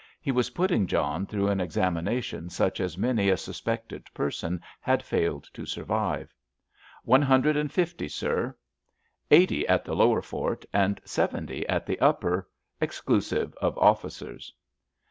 He was putting John through an examination such as many a suspected person had failed to survive. "One hundred and fifty, sir—eighty at the lower fort and seventy at the upper, exclusive of officers."